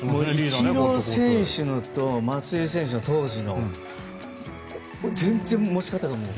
イチロー選手のと松井秀喜選手の当時のは全然、持ち方が。